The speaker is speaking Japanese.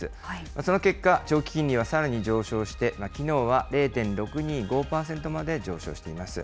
その結果、長期金利はさらに上昇して、きのうは０．６２５％まで上昇しています。